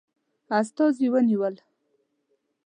استازي ونیول.